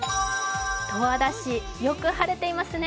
十和田市、よく晴れていますね。